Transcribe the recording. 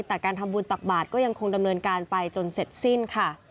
แต่การทำบุญตักบาทก็ยังคงดำเนินการไปจนเสร็จสิ้นค่ะ